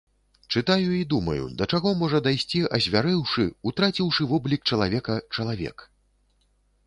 Чытаю і думаю, да чаго можа дайсці, азвярэўшы, утраціўшы воблік чалавека, чалавек.